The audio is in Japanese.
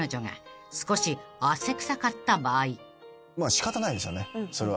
仕方ないですよねそれは。